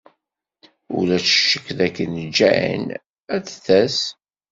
Ulac ccek dakken Jane ad d-tas.